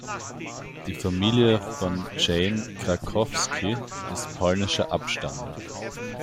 Die Familie von Jane Krakowski ist polnischer Abstammung.